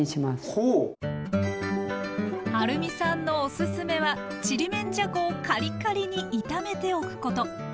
はるみさんのおすすめはちりめんじゃこをカリカリに炒めておくこと。